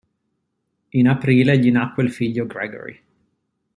In aprile gli nacque il figlio Gregory.